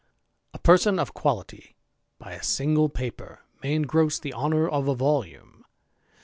A person of quality, by a single paper, may engross fc^Tj honour of a volume.